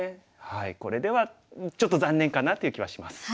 これではちょっと残念かなという気はします。